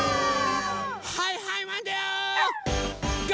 はいはいマンだよ！